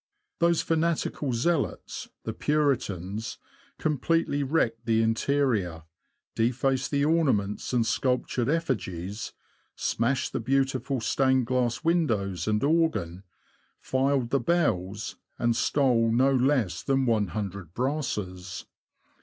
Those fanatical zealots, the Puritans, com A RAMBLE THROUGH NORWICH. 73 pletely wrecked the interior, defaced the ornaments and sculptured effigies, smashed the beautiful stained glass windows and organ, filed the bells, and stole no less than one hundred brasses.